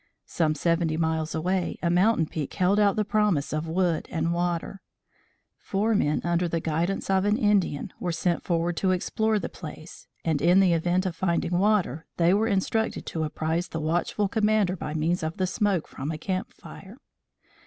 Some seventy miles away, a mountain peak held out the promise of wood and water. Four men under the guidance of an Indian, were sent forward to explore the place, and, in the event of finding water, they were instructed to apprise the watchful commander by means of the smoke from a camp fire.